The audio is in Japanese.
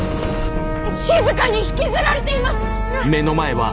しずかに引きずられています。